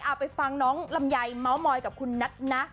อ่าไปฟังน้องลำใหญ่มา๊วมอยกับคุณนัทนะ